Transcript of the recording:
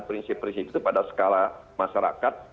prinsip prinsip itu pada skala masyarakat